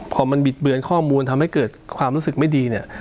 พอมันบิดเบือนข้อมูลทำให้เกิดความรู้สึกไม่ดีเนี่ย